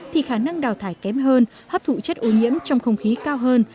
thì khả năng đào thải kém hơn hấp thụ chất ô nhiễm trong không khí cao hơn